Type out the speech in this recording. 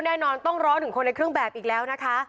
แน่นอนต้องร้อนถึงคนในเครื่องแบบอีกแล้วนะคะ